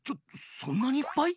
そんなにいっぱい？